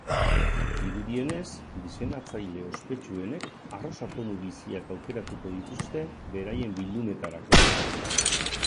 Dirudienez, diseinatzaile ospetsuenek arrosa tonu biziak aukeratuko dituzte beraien bildumetarako.